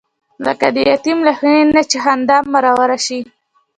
لکه د یتیم له خولې نه چې خندا مروره شي.